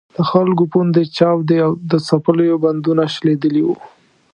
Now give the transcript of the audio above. د خلکو پوندې چاودې او د څپلیو بندونه شلېدلي وو.